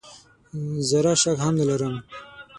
زره شک هم نه لرم .